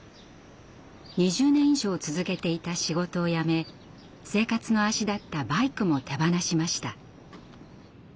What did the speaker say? ２０年以上続けていた仕事をやめ生活の足だったバイクも手放しました。